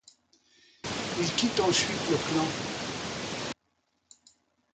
Il quitte ensuite le clan.